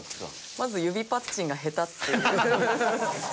まず指パッチンが下手っていう問題が。